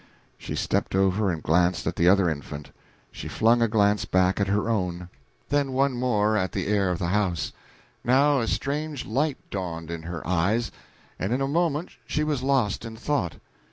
She stepped over and glanced at the other infant; she flung a glance back at her own; then one more at the heir of the house. Now a strange light dawned in her eyes, and in a moment she was lost in thought.